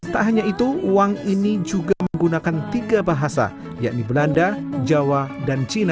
tak hanya itu uang ini juga menggunakan tiga bahasa yakni belanda jawa dan cina